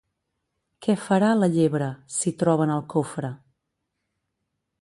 Què farà la llebre si troben el cofre?